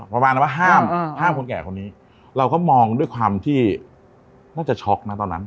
ประมาณว่าห้ามห้ามคนแก่คนนี้เราก็มองด้วยความที่น่าจะช็อกนะตอนนั้น